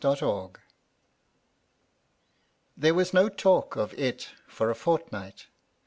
ITl* THERE was no talk of it for a fortnight.